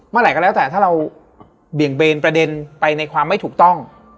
เมื่อไหร่ก็แล้วแต่ถ้าเราเบี่ยงเบนประเด็นไปในความไม่ถูกต้อง